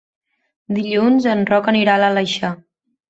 Dilluns en Roc anirà a l'Aleixar.